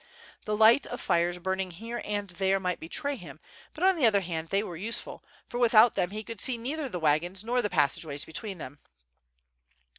The light of fires burning here and there might betray him, but on the other hand they were useful, for without them, he could see neither the wagons nor the passage ways between them.